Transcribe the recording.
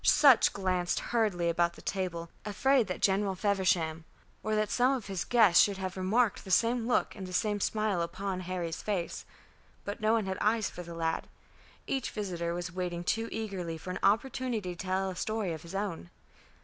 Sutch glanced hurriedly about the table, afraid that General Feversham, or that some one of his guests, should have remarked the same look and the same smile upon Harry's face. But no one had eyes for the lad; each visitor was waiting too eagerly for an opportunity to tell a story of his own.